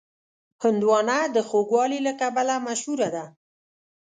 هندوانه د خوږوالي له کبله مشهوره ده.